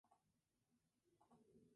Generalmente son causadas por infecciones.